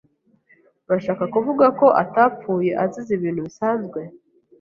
Urashaka kuvuga ko atapfuye azize ibintu bisanzwe?